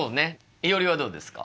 いおりはどうですか？